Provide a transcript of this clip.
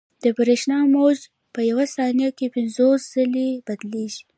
د برېښنا موج په یوه ثانیه کې پنځوس ځلې بدلېږي.